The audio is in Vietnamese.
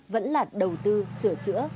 vẫn là đầu tư sửa chữa